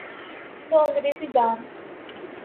تو انگریزی دان۔